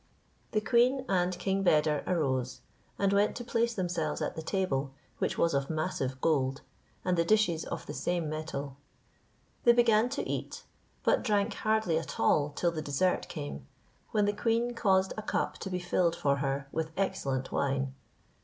The queen and King Beder arose, and went to place themselves at the table, which was of massive gold, and the dishes of the same metal. They began to eat, but drank hardly at all till the dessert came, when the queen caused a cup to be filled for her with excellent wine.